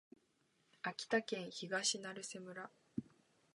秋田県東成瀬村